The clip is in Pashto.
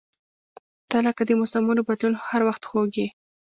• ته لکه د موسمونو بدلون، خو هر وخت خوږ یې.